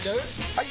・はい！